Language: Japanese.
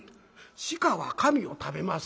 鹿は紙を食べます。